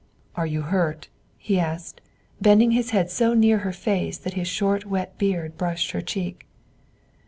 "Are you hurt?" he asked, bending his head so near her face that his short wet beard brushed her cheek.